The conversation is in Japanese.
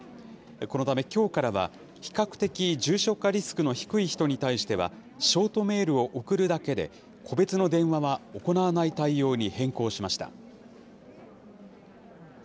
このため、きょうからは比較的、重症化リスクの低い人に対しては、ショートメールを送るだけで、個別の電話は行わない対応に変更しました。